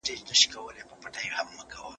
مثبت خلګ د ژوند لپاره مهم دي.